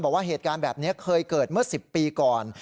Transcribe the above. บอกว่าเหตุการณ์แบบนี้เคยเกิดเมื่อ๑๐ปีก่อน